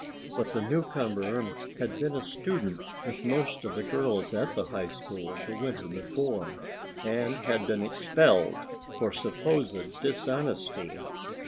But the newcomer had been a student with most of the girls at the high school the winter before and had been expelled for supposed dishonesty.